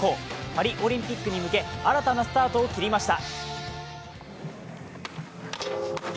パリオリンピックに向け、新たなスタートを切りました。